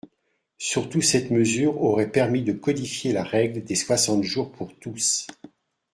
Surtout, cette mesure aurait permis de codifier la règle des soixante jours pour tous.